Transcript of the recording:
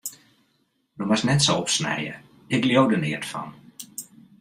Do moatst net sa opsnije, ik leau der neat fan.